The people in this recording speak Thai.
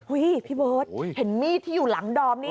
พี่เบิร์ตเห็นมีดที่อยู่หลังดอมนี่